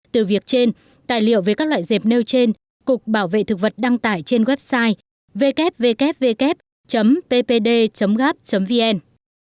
từ việc trên tài liệu về các loại dẹp nêu trên cục bảo vệ thực vật đăng tải trên website ww ppd gap vn